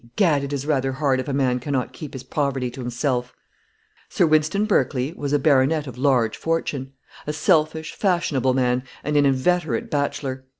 Egad, it is rather hard if a man cannot keep his poverty to himself." Sir Wynston Berkley was a baronet of large fortune a selfish, fashionable man, and an inveterate bachelor.